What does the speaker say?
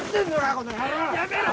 この野郎っやめろ！